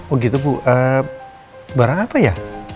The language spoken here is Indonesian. oh gitu bu barang apa ya